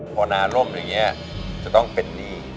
พอนานร่วมถึงเนี่ยจะต้องเป็นหนี้